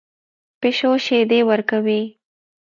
پیشو شیدې ورکوي